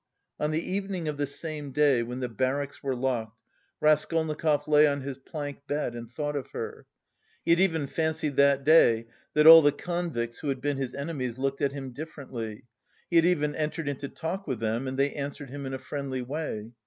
On the evening of the same day, when the barracks were locked, Raskolnikov lay on his plank bed and thought of her. He had even fancied that day that all the convicts who had been his enemies looked at him differently; he had even entered into talk with them and they answered him in a friendly way.